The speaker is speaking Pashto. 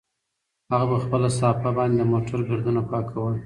هغه په خپله صافه باندې د موټر ګردونه پاکول.